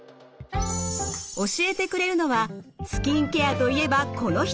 教えてくれるのはスキンケアといえばこの人。